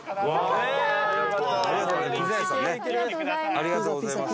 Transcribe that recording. ありがとうございます。